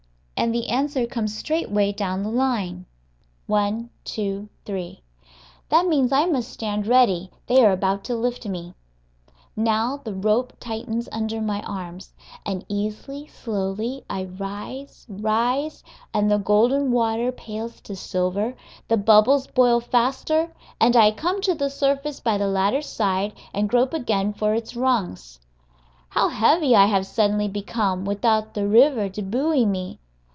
And the answer comes straightway down the line one, two, three. That means I must stand ready; they are about to lift me. Now the rope tightens under my arms, and easily, slowly, I rise, rise, and the golden water pales to silver, the bubbles boil faster, and I come to the surface by the ladder's side and grope again for its rungs. How heavy I have suddenly become without the river to buoy me!